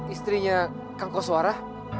istrinya kang koswara